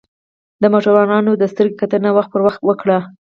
د موټروان د سترګو کتنه وخت پر وخت وکړئ.